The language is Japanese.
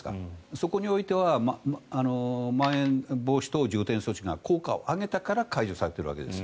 そこにおいてはまん延防止等重点措置が効果を上げたから解除されているわけです。